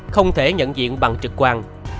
không thể nhận diện bằng trực quan